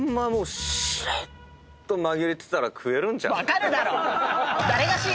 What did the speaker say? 分かるだろ！